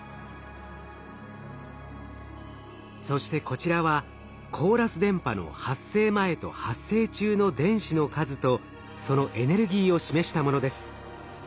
そしてこちらはコーラス電波の発生前と発生中の電子の数とそのエネルギーを示したものです。